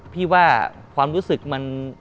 พี่ว่าความรู้สึกมัน